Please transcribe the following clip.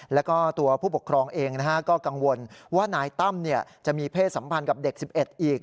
แล้วก็ตัวผู้ปกครองเองก็กังวลว่านายตั้มจะมีเพศสัมพันธ์กับเด็ก๑๑อีก